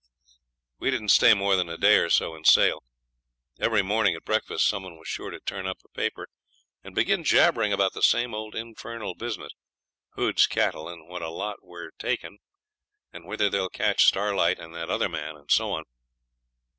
We didn't stay more than a day or so in Sale. Every morning at breakfast some one was sure to turn up the paper and begin jabbering about the same old infernal business, Hood's cattle, and what a lot were taken, and whether they'll catch Starlight and the other men, and so on.